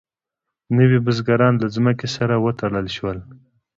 نوي بزګران له ځمکې سره وتړل شول.